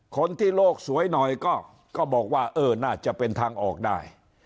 คนที่โลกสวยหน่อยก็บอกว่าเออน่าจะเป็นทางออกได้